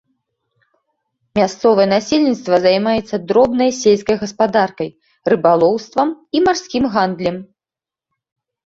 Мясцовае насельніцтва займаецца дробнай сельскай гаспадаркай, рыбалоўствам і марскім гандлем.